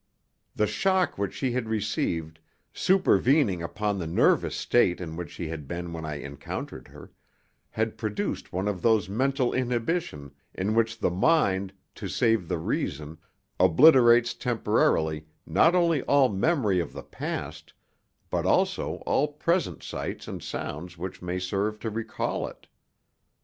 The shock which she had received, supervening upon the nervous state in which she had been when I encountered her, had produced one of those mental inhibitions in which the mind, to save the reason, obliterates temporarily not only all memory of the past, but also all present sights and sounds which may serve to recall it.